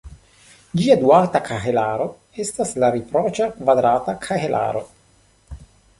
Ĝia duala kahelaro estas la riproĉa kvadrata kahelaro.